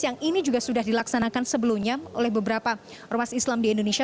yang ini juga sudah dilaksanakan sebelumnya oleh beberapa ormas islam di indonesia